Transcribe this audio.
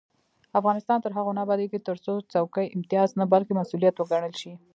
افغانستان تر هغو نه ابادیږي، ترڅو څوکۍ امتیاز نه بلکې مسؤلیت وګڼل شي.